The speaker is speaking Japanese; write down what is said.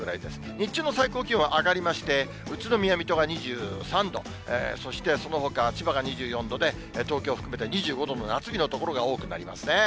日中の最高気温は上がりまして、宇都宮、水戸が２３度、そしてそのほか、千葉が２４度で、東京含めて２５度の夏日の所が多くなりますね。